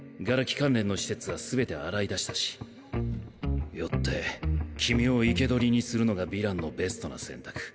関連の施設は全て洗い出したしよって君を生け捕りにするのがヴィランのベストな選択。